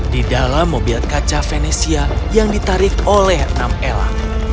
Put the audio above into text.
di dalam mobil kaca venesia yang ditarik oleh enam elang